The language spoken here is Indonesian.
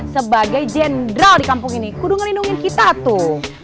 sebagai jendral di kampung ini kudu ngelindungi kita tuh